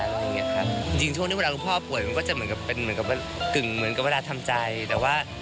มีสำนักทีมันอื่นแล้ว